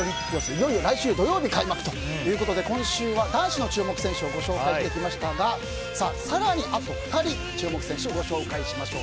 いよいよ来週土曜日開幕ということで今週は男子の注目選手をご紹介してきましたが更に、あと２人注目選手をご紹介しましょう。